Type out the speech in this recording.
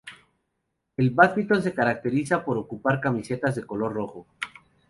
El Badminton se caracterizaba por ocupar camisetas de color rojo.